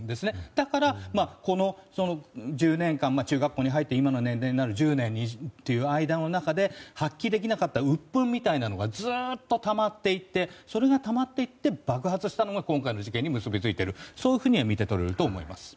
だから１０年間、中学校に入って今の年齢になるまでの間で発揮できなかったうっぷんがずっとたまっていってそれが、たまっていって爆発したのが今回の事件に結びついていると見て取れると思います。